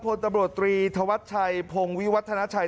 พลตำรวจตรีธวัชชัยพงวิวัฒนาชัย